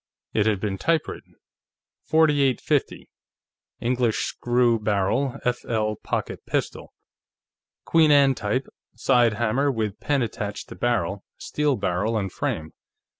It had been typewritten: 4850: English Screw Barrel F/L Pocket Pistol. _Queen Anne type, side hammer with pan attached to barrel, steel barrel and frame.